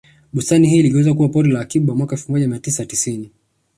Bustani hii iligeuzwa kuwa pori la akiba mwaka elfu moja mia tisa tisini